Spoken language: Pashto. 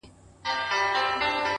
ورښودلي خپل استاد وه څو شعرونه!